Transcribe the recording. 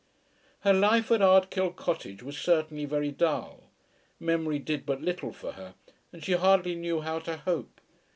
Her life at Ardkill Cottage was certainly very dull. Memory did but little for her, and she hardly knew how to hope.